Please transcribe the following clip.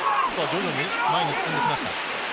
徐々に前に進んできました。